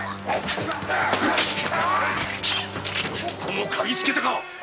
ここもかぎつけたか！